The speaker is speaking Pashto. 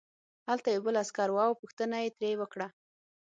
هلته یو بل عسکر و او پوښتنه یې ترې وکړه